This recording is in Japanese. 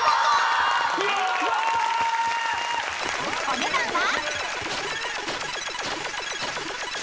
［お値段は？］